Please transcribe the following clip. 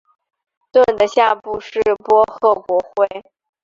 盾的下部是波赫国徽。